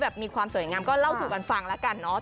มีความสวยงามก็เล่าสู่กันฟังแล้วกันเนาะ